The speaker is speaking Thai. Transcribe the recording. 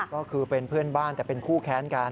ก็คือเป็นเพื่อนบ้านแต่เป็นคู่แค้นกัน